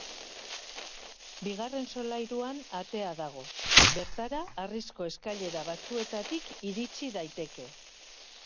Bigarren solairuan atea dago, bertara harrizko eskailera batzuetatik iritsi daiteke.